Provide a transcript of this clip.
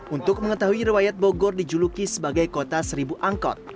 untuk mengetahui riwayat bogor dijuluki sebagai kota seribu angkot